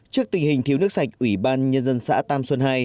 trước tình hình thiếu nước sạch ủy ban nhân dân xã tam xuân hai